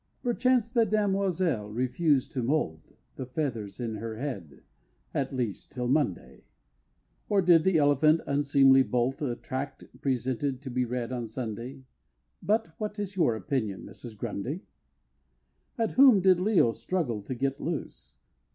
Perchance the Demoiselle refused to moult The feathers in her head at least till Monday; Or did the Elephant, unseemly, bolt A tract presented to be read on Sunday But what is your opinion, Mrs. Grundy? At whom did Leo struggle to get loose?